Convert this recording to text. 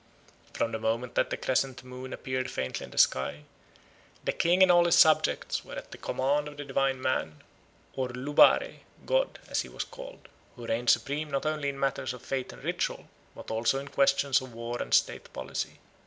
From the moment that the crescent moon appeared faintly in the sky, the king and all his subjects were at the command of the divine man, or Lubare (god), as he was called, who reigned supreme not only in matters of faith and ritual, but also in questions of war and state policy.